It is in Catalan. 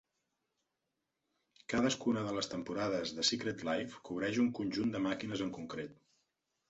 Cadascuna de les temporades de "Secret Life" cobreix un conjunt de màquines en concret.